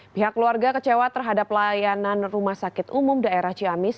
pihak keluarga kecewa terhadap layanan rumah sakit umum daerah ciamis